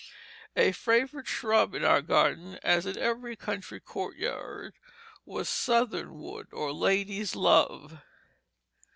A favorite shrub in our garden, as in every country dooryard, was southernwood, or lad's love.